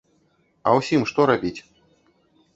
А ўсім што рабіць?